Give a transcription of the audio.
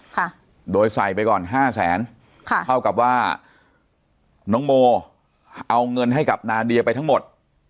ค่ะโดยใส่ไปก่อนห้าแสนค่ะเท่ากับว่าน้องโมเอาเงินให้กับนาเดียไปทั้งหมด